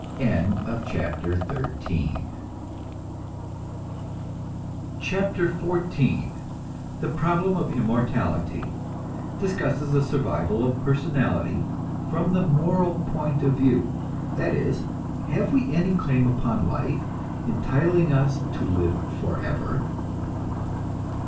CHAPTER XIV THE PROBLEM OF IMMORTALITY (Discusses the survival of personality from the moral point of view: that is, have we any claim upon life, entitling us to live forever?)